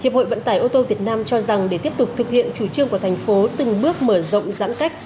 hiệp hội vận tải ô tô việt nam cho rằng để tiếp tục thực hiện chủ trương của thành phố từng bước mở rộng giãn cách